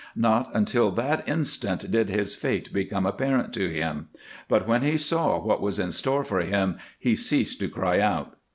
Not until that instant did his fate become apparent to him, but when he saw what was in store for him he ceased to cry out.